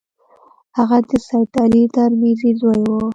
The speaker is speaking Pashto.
هغه د سید علي ترمذي زوی وو.